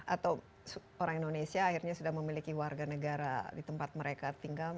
atau orang indonesia akhirnya sudah memiliki warga negara di tempat mereka tinggal